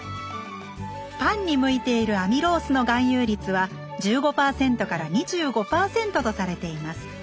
パンに向いているアミロースの含有率は１５２５％とされています。